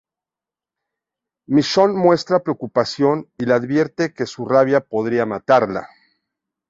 Michonne muestra preocupación y le advierte que su rabia podría matarla.